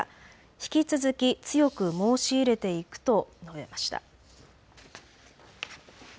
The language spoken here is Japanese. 引き続き強く申し入れていくと述べました。